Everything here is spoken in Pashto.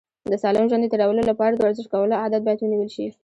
د سالم ژوند د تېرولو لپاره د ورزش کولو عادت باید ونیول شي.